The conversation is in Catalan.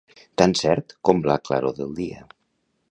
Tan cert com la claror del dia.